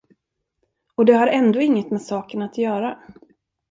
Och det har ändå inget med saken att göra.